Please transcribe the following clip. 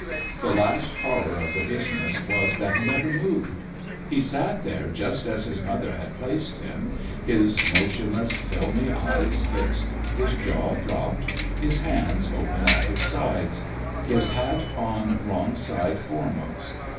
The last horror of the business was that he never moved; he sat there just as his mother had placed him, his motionless, filmy eyes fixed, his jaw dropped, his hands open at his sides, his hat on wrong side foremost.